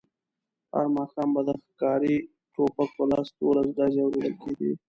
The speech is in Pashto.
هر ماښام به د ښکاري ټوپکو لس دولس ډزې اورېدل کېدې.